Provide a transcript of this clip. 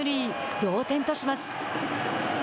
同点とします。